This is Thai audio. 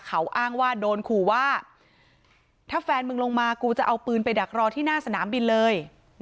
เขาอ้างว่าโดนขู่ว่าถ้าแฟนมึงลงมากูจะเอาปืนไปดักรอที่หน้าสนามบินเลย